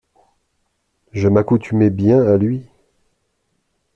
Je m’accoutumais ben à lui!